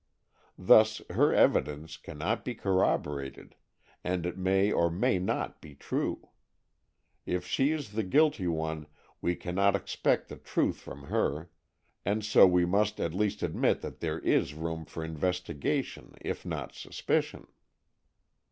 Thus, her evidence cannot be corroborated, and it may or may not be true. If she is the guilty one, we cannot expect the truth from her, and so we must at least admit that there is room for investigation, if not suspicion."